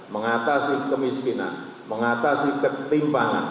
mengatasi kemiskinan mengatasi ketimpangan